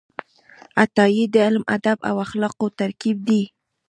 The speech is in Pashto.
عطايي د علم، ادب او اخلاقو ترکیب و.